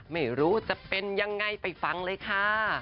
ไม่รู้จะเป็นยังไงไปฟังเลยค่ะ